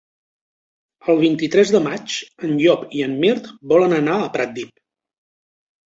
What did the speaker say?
El vint-i-tres de maig en Llop i en Mirt volen anar a Pratdip.